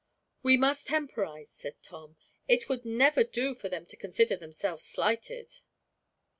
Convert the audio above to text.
"We must temporize," said Tom. "It would never do for them to consider themselves slighted."